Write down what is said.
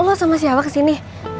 lo sama siapa kesini